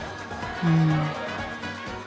うん。